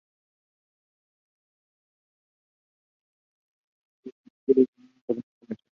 Empero, a diferencia de otros tipos de desplazamiento, el turismo adquiere una naturaleza comercial.